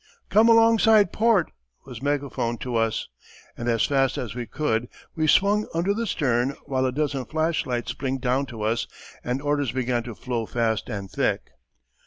"Come alongside port!" was megaphoned to us. And as fast as we could we swung under the stern, while a dozen flashlights blinked down to us and orders began to flow fast and thick.